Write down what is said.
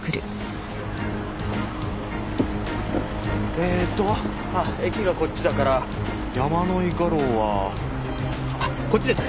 えっと駅がこっちだから山井画廊はあっこっちですね。